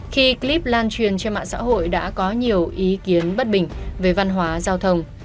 khi clip lan truyền trên mạng xã hội đã có nhiều ý kiến bất bình về văn hóa giao thông